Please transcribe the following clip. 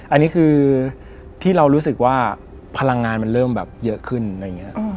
อันนี้คือที่เรารู้สึกว่าพลังงานมันเริ่มแบบเยอะขึ้นอะไรอย่างนี้